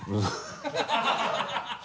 ハハハ